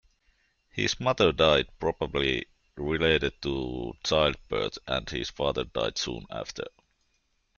His mother died probably related to childbirth, and his father died soon after.